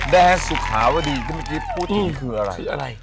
แดดสุขาวดีพูดถึงคืออะไร